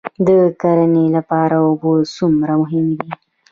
د کرنې لپاره اوبه څومره مهمې دي؟